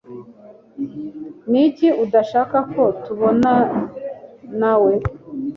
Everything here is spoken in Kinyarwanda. Ni iki adashaka ko tubonawe?